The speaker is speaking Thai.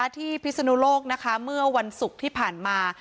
พิศนุโลกนะคะเมื่อวันศุกร์ที่ผ่านมา